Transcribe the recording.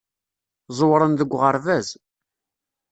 Ẓewren deg uɣerbaz.